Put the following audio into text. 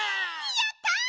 やった！